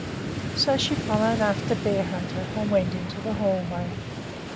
So she followed after Bearhunter and went into the hall way.